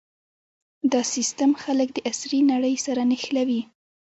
دا سیستم خلک د عصري نړۍ سره نښلوي.